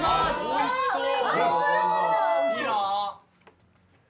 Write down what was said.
おいしそう。